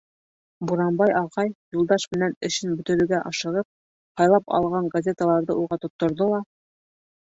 Буранбай ағай, Юлдаш менән эшен бөтөрөргә ашығып, һайлап алған газе-таларҙы уға тотторҙо ла: